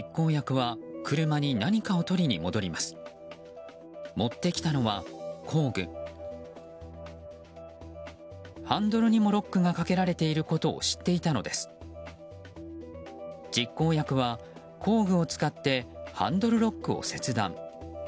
実行役は工具を使ってハンドルロックを切断。